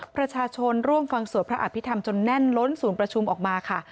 ประชาชนร่วมฟังสวดพระอภิษฐรรมจนแน่นล้นศูนย์ประชุมออกมาค่ะ